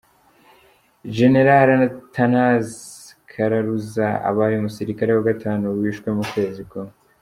Général Athanase Kararuza, abaye umusirikare wa gatanu wishwe mu kwezi kumwe.